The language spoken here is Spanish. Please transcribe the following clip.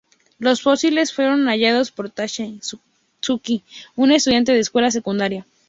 Los fósiles fueron hallados por Tadashi Suzuki, un estudiante de escuela secundaria.